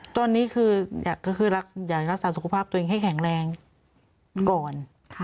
ตอนนี้คืออยากรักษาสุขภาพตัวเองให้แข็งแรงก่อน